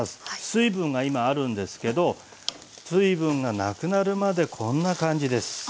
水分が今あるんですけど水分がなくなるまでこんな感じです。